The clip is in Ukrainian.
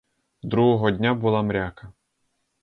Другого дня була мряка.